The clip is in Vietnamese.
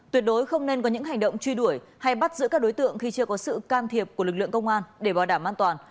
tuyệt đối không nên có những hành động truy đuổi hay bắt giữ các đối tượng khi chưa có sự can thiệp của lực lượng công an để bảo đảm an toàn